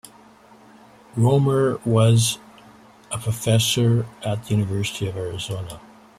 Roemer was a professor at the University of Arizona.